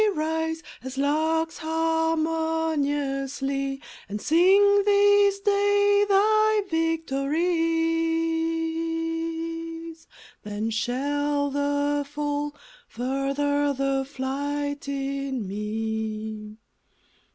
let me rise As larks, harmoniously, And sing this day thy victories : Then shall the fall further the flight in me.